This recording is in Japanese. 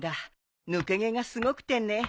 抜け毛がすごくてね。